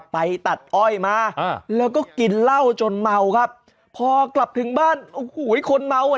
ไปตัดอ้อยมาอ่าแล้วก็กินเหล้าจนเมาครับพอกลับถึงบ้านโอ้โหคนเมาอ่ะ